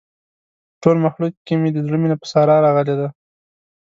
په ټول مخلوق کې مې د زړه مینه په ساره راغلې ده.